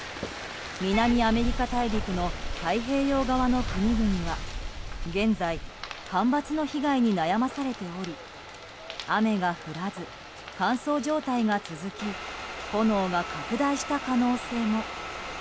南アメリカ大陸の太平洋側の国々は現在干ばつの被害に悩まされており雨が降らず乾燥状態が続き炎が拡大した可能性も。